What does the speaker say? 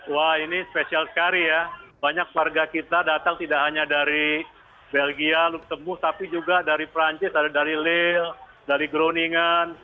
wah ini spesial sekali ya banyak warga kita datang tidak hanya dari belgia lutembus tapi juga dari perancis ada dari lail dari groningan